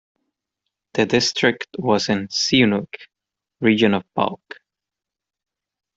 The district was in Siunik, region of Balk.